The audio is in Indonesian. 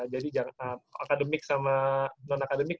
jadi jangan akademik sama non akademik